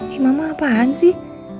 eh mama apaan sih